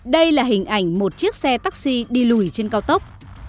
đây là hình ảnh một chiếc xe taxi đi lùi trên cao tốc